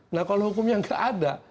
nah kalau hukumnya nggak ada